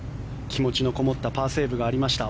気持ちのこもったパーセーブがありました